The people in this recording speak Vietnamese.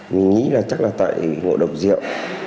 mình nghĩ là chắc là tại ngộ độc rượu